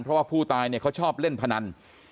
เพราะว่าผู้ตายเนี่ยเขาชอบเล่นพนัน